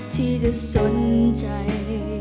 ที่จะสนใจ